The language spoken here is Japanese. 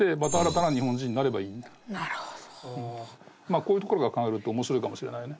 こういうところから考えると面白いかもしれないね。